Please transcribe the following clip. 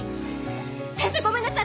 先生ごめんなさい。